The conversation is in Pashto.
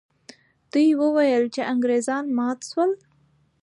دوی وویل چې انګریزان مات سول.